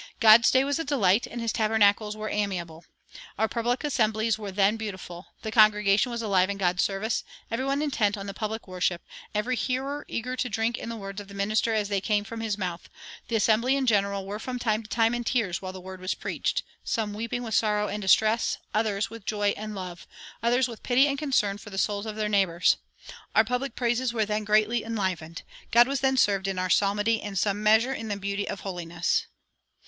God's day was a delight, and his tabernacles were amiable. Our public assemblies were then beautiful; the congregation was alive in God's service, every one intent on the public worship, every hearer eager to drink in the words of the minister as they came from his mouth; the assembly in general were from time to time in tears while the Word was preached, some weeping with sorrow and distress, others with joy and love, others with pity and concern for the souls of their neighbors. Our public praises were then greatly enlivened; God was then served in our psalmody in some measure in the beauty of holiness."